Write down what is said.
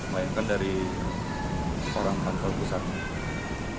bayangkan dari orang kantor pusatnya